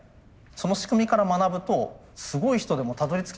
その仕組みから学ぶとすごい人でもたどりつけない